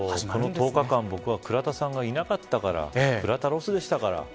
この１０日間、僕は倉田さんがいなかったから倉田ロスでしたから。